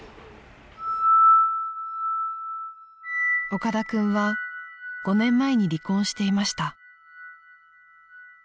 ［岡田君は５年前に離婚していました］